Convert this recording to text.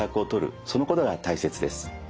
そのことが大切です。